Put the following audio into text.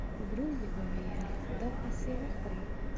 ورو يې وويل: دا پسې وخوره!